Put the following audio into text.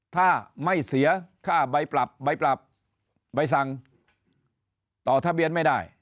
ถ้าไม่เสียค่าใบปรับใบปรับใบสั่งต่อทะเบียนไม่ได้